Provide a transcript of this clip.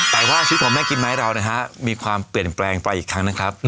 แต่ว่าชีวิตของแม่กิมไม้เรามีความเปลี่ยนแปลงไปอีกครั้งนะครับ